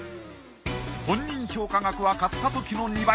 本人評価額は買ったときの２倍！